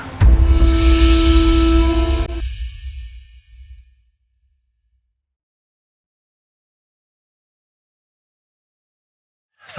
saya kena kamu panggil